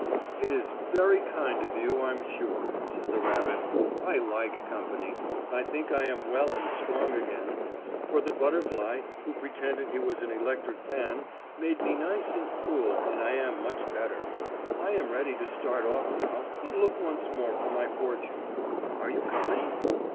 "It is very kind of you, I'm sure," said the rabbit. "I like company. I think I am all well and strong again, for the butterfly, who pretended he was an electric fan, made me nice and cool and I am much better. I am ready to start off now and look once more for my fortune. Are you coming?"